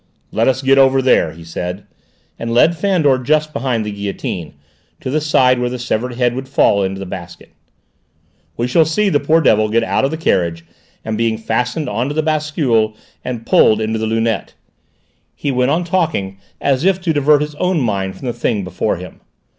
"Let us get over there," he said, and led Fandor just behind the guillotine, to the side where the severed head would fall into the basket. "We shall see the poor devil get out of the carriage, and being fastened on to the bascule, and pulled into the lunette." He went on talking as if to divert his own mind from the thing before him.